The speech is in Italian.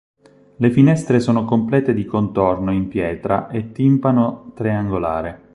Le finestre sono complete di contorno in pietra e timpano triangolare.